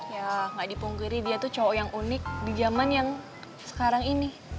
ya gak dipunggiri dia tuh cowok yang unik di jaman yang sekarang ini